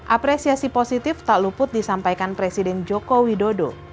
apresiasi positif tak luput disampaikan presiden joko widodo